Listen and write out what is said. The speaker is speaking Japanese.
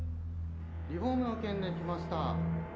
リフォームの件で来ました。